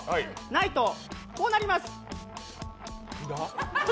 ないとこうなります。